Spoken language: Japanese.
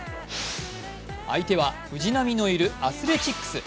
相手は藤浪のいるアスレチックス。